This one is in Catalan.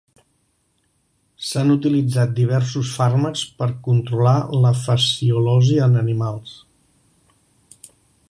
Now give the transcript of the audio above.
S'han utilitzat diversos fàrmacs per controlar la fasciolosi en animals.